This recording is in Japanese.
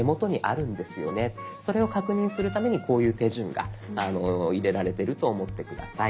それを確認するためにこういう手順が入れられてると思って下さい。